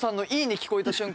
聞こえた瞬間